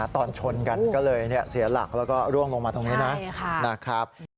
ตอนชนกันก็เลยเสียหลักแล้วก็ร่วงลงมาตรงนี้นะครับ